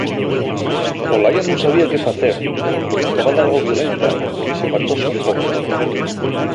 Olaya nun sabía qué facer, taba dalgo violenta y separtóse un poco.